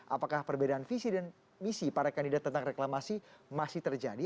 apakah perbedaan visi dan misi para kandidat tentang reklamasi masih terjadi